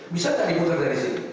bisa tak diputar dari sini